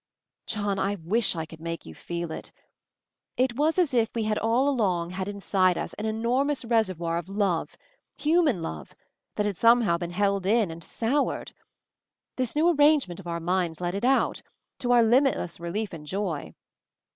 "John — I wish I could make you feel it. It was as if we had all along had inside us an enormous reservoir of love, human love, that had somehow been held in and soured ! This new arrangement of our minds let it out — to our limitless relief and joy.